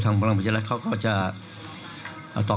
คุณหมอชนหน้าเนี่ยคุณหมอชนหน้าเนี่ย